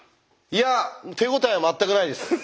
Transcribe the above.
いや手応えは全くないです。